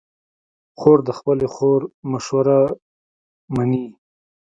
خور د خپلې خور مشوره منې.